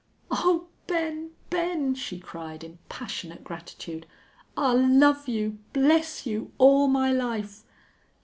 "Oh, Ben! Ben!" she cried, in passionate gratitude. "I'll love you bless you all my life!"